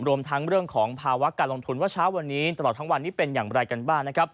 รวมทั้งเรื่องของภาวะการลงทุนว่าเช้าวันนี้ตลอดทั้งวันนี้เป็นอย่างไรกันบ้างนะครับ